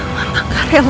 mama gak rela